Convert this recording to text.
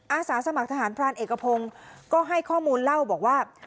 อาสาสมัครทหารพรานเอกพงศ์ก็ให้ข้อมูลเล่าบอกว่า